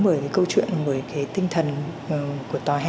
bởi cái câu chuyện bởi cái tinh thần của tòa he